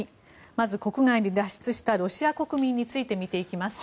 まず国外に脱出したロシア国民について見ていきます。